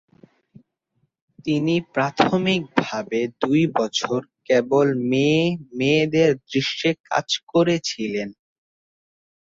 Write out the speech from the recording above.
তিনি প্রাথমিকভাবে দুই বছর কেবল মেয়ে-মেয়েদের দৃশ্যে কাজ করেছিলেন।